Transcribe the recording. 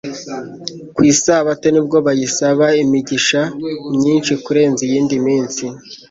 Ku Isabato nibwo bayisaba imigisha myinshi kurenza iyindi minsi.